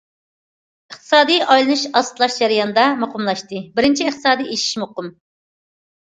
ئىقتىسادىي ئايلىنىش ئاستىلاش جەريانىدا مۇقىملاشتى بىرىنچى ئىقتىسادىي ئېشىش مۇقىم.